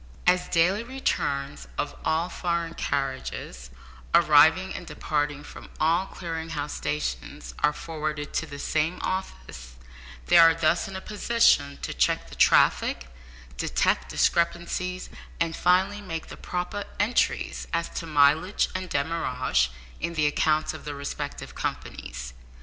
As daily returns of all "foreign" carriages arriving and departing from all Clearing House stations are forwarded to the same office, they are thus in a position to check the traffic, detect discrepancies, and finally make the proper entries as to mileage and demurrage in the accounts of the respective companies.